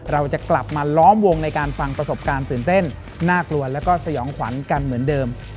เราจะกลับมาล้อมวงในการฟังประสบการณ์ตื่นเต้นน่ากลัวแล้วก็สยองขวัญกันเหมือนเดิม